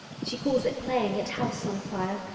She calls it playing at house on fire.